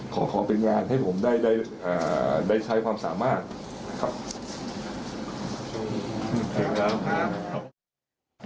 ขอเป็นงานให้ผมได้ใช้ความสามารถครับ